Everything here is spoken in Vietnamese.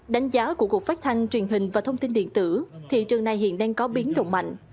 đánh giá của cục phát thanh truyền hình và thông tin điện tử thị trường này hiện đang có biến động mạnh